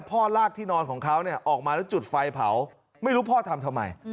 ลากที่นอนของเขาเนี่ยออกมาแล้วจุดไฟเผาไม่รู้พ่อทำทำไม